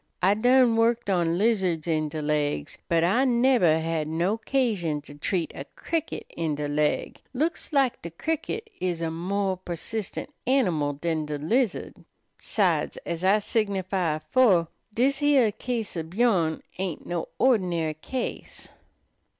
I done worked on lizards in de laigs, but I nebber had no 'casion to treat a cricket in de laig. Looks lak de cricket is a more persistent animal dan de lizard. 'Sides, ez I signify afore, dis heah case ob yourn ain't no ordinary case."